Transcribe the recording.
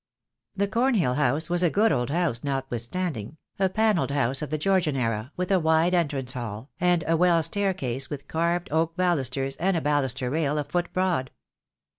The Cornhill house was a good old house notwithstanding, a panelled house of the Georgian era, with a wide entrance hall, and a well staircase with carved oak balusters and a baluster rail a THE DAY WILL COME. 2$ foot broad.